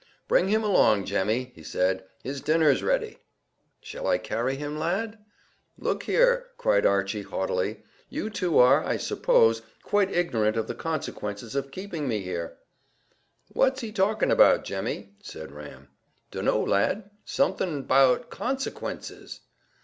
"Bring him along, Jemmy," he said. "His dinner's ready." "Shall I carry him, lad?" "Look here," cried Archy haughtily. "You two are, I suppose, quite ignorant of the consequences of keeping me here?" "What's he talking about, Jemmy?" said Ram. "Dunno, lad: something 'bout consequences."